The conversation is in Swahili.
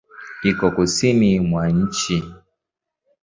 Iko kusini mwa nchi.